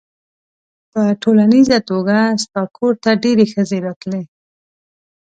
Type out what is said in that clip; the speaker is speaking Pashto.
په ټولیزه توګه ستا کور ته ډېرې ښځې راتلې.